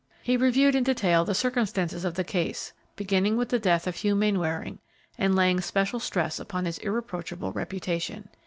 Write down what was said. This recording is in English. He reviewed in detail the circumstances of the case, beginning with the death of Hugh Mainwaring, and laying special stress upon his irreproachable reputation.